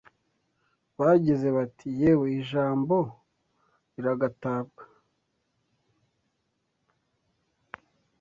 Bagize bati: yewe Ijambo liragatabwa